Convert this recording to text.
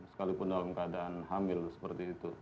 sekalipun dalam keadaan hamil seperti itu